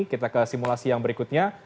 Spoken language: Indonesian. kita ke simulasi yang berikutnya